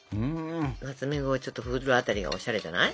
ナツメグをちょっとふるあたりがオシャレじゃない？